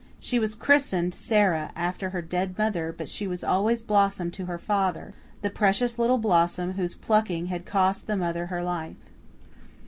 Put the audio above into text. She was christened Sara, after her dead mother, but she was always Blossom to her father the precious little blossom whose plucking had cost the mother her life.